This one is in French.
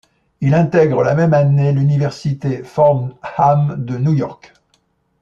Il intègre la même année l'Université Fordham de New York.